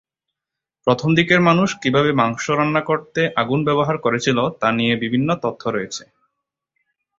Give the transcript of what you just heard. প্রথম দিকের মানুষ কীভাবে মাংস রান্না করতে আগুন ব্যবহার করেছিল তা নিয়ে বিভিন্ন তত্ত্ব রয়েছে।